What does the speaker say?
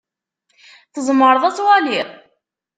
Tzemreḍ ad twaliḍ?